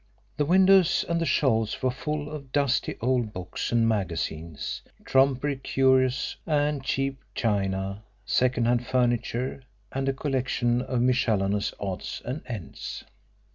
The windows and the shelves were full of dusty old books and magazines, trumpery curios and cheap china, second hand furniture and a collection of miscellaneous odds and ends.